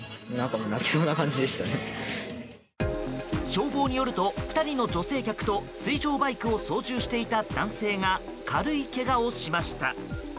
消防によると２人の女性客と水上バイクを操縦していた男性が軽いけがをしました。